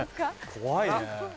怖いね。